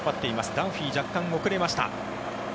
ダンフィー若干遅れました。